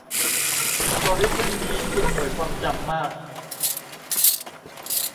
อัลกอริทึมนี้กินหน่วยความจำมาก